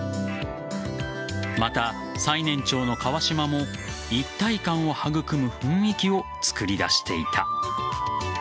また、最年長の川島も一体感を育む雰囲気をつくり出していた。